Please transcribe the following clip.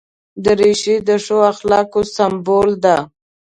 دریشي د ښو اخلاقو سمبول ده.